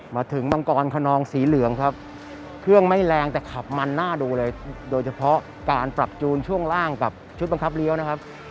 มังกรคนนองสีเหลืองครับเครื่องไม่แรงแต่ขับมันน่าดูเลยโดยเฉพาะการปรับจูนช่วงล่างกับชุดบังคับเลี้ยวนะครับ